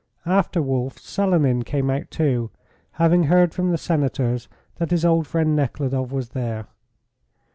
After Wolf, Selenin came out too, having heard from the Senators that his old friend Nekhludoff was there.